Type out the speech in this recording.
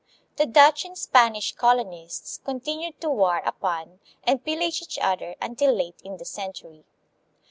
The Dutch and Spanish colonists continued to war upon and pillage each other until late in the century.